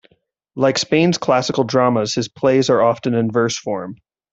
Like Spain's classical dramas, his plays are often in verse form.